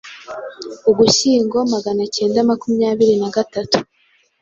Ugushyingo Magana acyenda makumyabiri na gatatu